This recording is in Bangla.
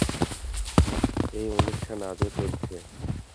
এই অনুষ্ঠান আজও চলছে।